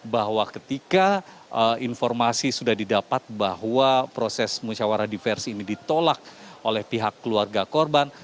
bahwa ketika informasi sudah didapat bahwa proses musyawarah diversi ini ditolak oleh pihak keluarga korban